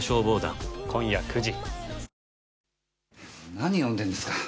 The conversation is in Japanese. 何読んでるんですか？